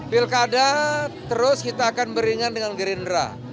pilkada terus kita akan beringat dengan gerindra